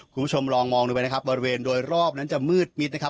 คุณผู้ชมลองมองดูไปนะครับบริเวณโดยรอบนั้นจะมืดมิดนะครับ